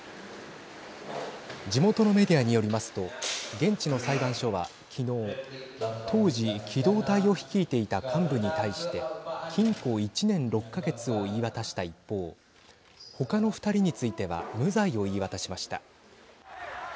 地元のメディアによりますと現地の裁判所は、昨日当時、機動隊を率いていた幹部に対して禁錮１年６か月を言い渡した一方他の２人については無罪を言い渡しました。